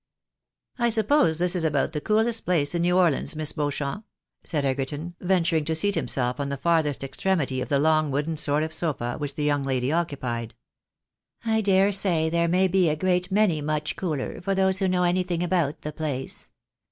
" I suppose this is about the coolest place in New Orleans, Miss Beauchamp," said Egerton, venturing to seat himself on the far thest extremity of the long wooden sort of sofa which the young lady occupied. " I dare say there may be a great many much cooler, for those who know anything about the place.